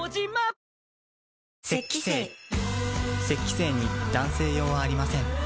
精に男性用はありません